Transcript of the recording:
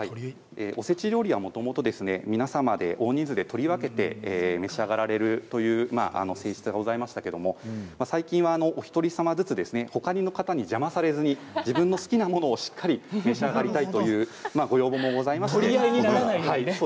おせち料理はもともと皆様で大人数で取り分けて召し上がるというものでしたけれど最近は、お一人様ずつほかの方に邪魔されず自分の好きなものをしっかり召し上がりたいというご要望もございまして。